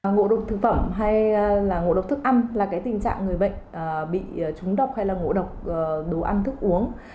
ngộ độc thực phẩm hay là ngộ độc thức ăn là tình trạng người bệnh bị trúng độc hay là ngộ độc đồ ăn thức uống